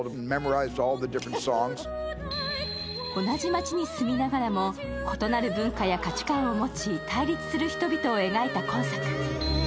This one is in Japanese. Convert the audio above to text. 同じ町に住みながらも、異なる文化や価値観を持ち、対立する人々を描いた今作。